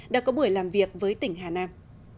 đối với tỉnh hà nam